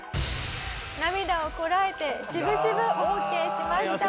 「涙をこらえて渋々オーケーしました」